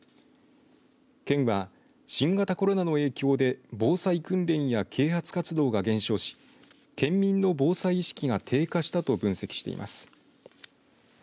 県は新型コロナの影響で防災訓練や啓発活動が減少し県民の防災意識が低下したと分析しています。